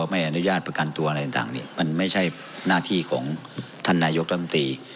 ไม่อนุญาตประกันตัวอะไรต่างเนี่ยมันไม่ใช่หน้าที่ของท่านนายกรัฐมนตรี